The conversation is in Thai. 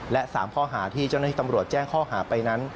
และ๓ข้อหาที่เจ้าหน้าที่ตำรวจแจ้งข้อหาไปนั้น